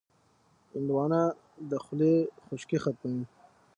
هندوانه د خولې خشکي ختموي.